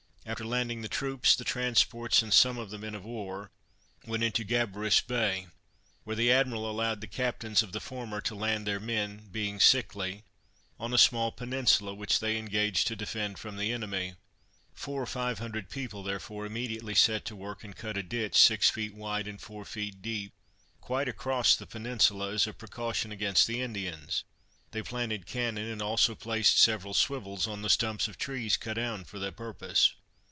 After landing the troops, the transports, and some of the men of war, went into Gabarus Bay, where the admiral allowed the captains of the former to land their men, being sickly, on a small peninsula, which they engaged to defend from the enemy. Four or five hundred people, therefore, immediately set to work, and cut a ditch, six feet wide and four feet deep, quite across the peninsula, as a protection against the Indians; they planted cannon, and also placed several swivels on the stumps of trees cut down for the purpose.